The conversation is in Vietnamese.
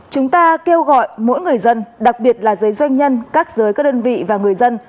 chúng ta kêu gọi mỗi người dân đặc biệt là giới doanh nhân các giới các đơn vị và người dân